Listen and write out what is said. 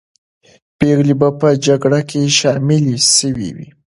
پېغلې به په جګړه کې شاملې سوې وي.